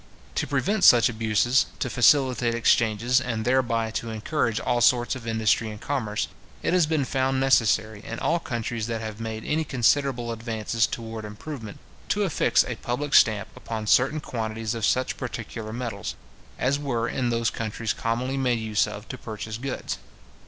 To prevent such abuses, to facilitate exchanges, and thereby to encourage all sorts of industry and commerce, it has been found necessary, in all countries that have made any considerable advances towards improvement, to affix a public stamp upon certain quantities of such particular metals, as were in those countries commonly made use of to purchase goods.